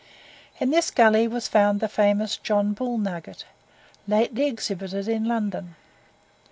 In this gully was found the famous "John Bull Nugget," lately exhibited in London.